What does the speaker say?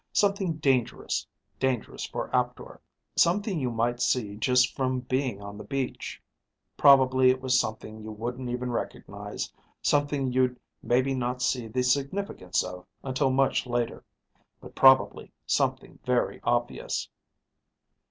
Something dangerous, dangerous for Aptor, something you might see just from being on the beach. Probably it was something you wouldn't even recognize, something you'd maybe not see the significance of until much later. But probably something very obvious."